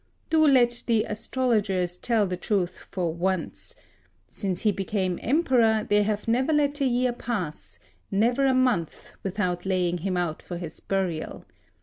Do let the astrologers tell the truth for once; since he became emperor, they have never let a year pass, never a month, without laying him out for his burial.